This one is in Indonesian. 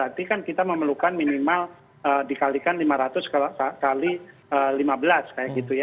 berarti kan kita memerlukan minimal dikalikan lima ratus kali lima belas kayak gitu ya